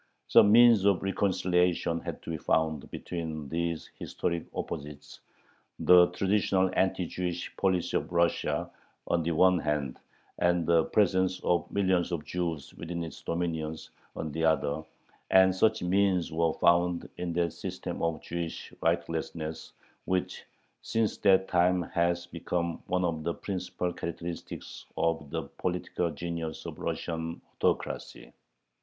Some means of reconciliation had to be found between these historic opposites, the traditional anti Jewish policy of Russia, on the one hand, and the presence of millions of Jews within its dominions, on the other, and such means were found in that system of Jewish rightlessness which since that time has become one of the principal characteristics of the political genius of Russian autocracy.